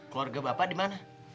keluarga bapak di mana